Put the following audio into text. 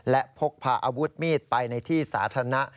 และพกพาอาวุธมีดไปในที่สาธารณะ